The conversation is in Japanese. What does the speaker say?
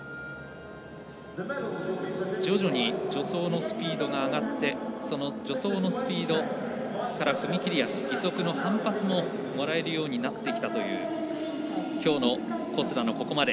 徐々に助走のスピードが上がって踏み切り足、義足の反発ももらえるようになってきたというきょうの小須田のここまで。